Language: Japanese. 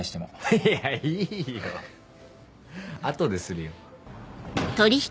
いやいいよ後でするよ。